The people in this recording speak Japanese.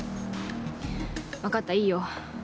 分かったいいよ。